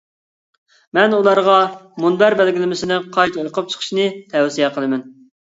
مەن ئۇلارغا مۇنبەر بەلگىلىمىسىنى قايتا ئوقۇپ چىقىشىنى تەۋسىيە قىلىمەن.